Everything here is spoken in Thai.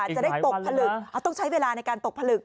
จะได้ตกผลึกต้องใช้เวลาในการตกผลึก